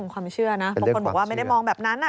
ความเชื่อนะบางคนบอกว่าไม่ได้มองแบบนั้น